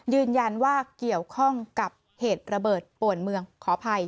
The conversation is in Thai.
ยืนยันว่าเกี่ยวข้องกับเหตุระเบิดป่วนเมืองขออภัย